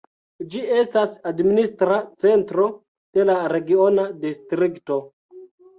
Ĝi estas administra centro de la regiona distrikto.